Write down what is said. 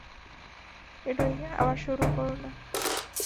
এডই, আবার শুরু কোরো না।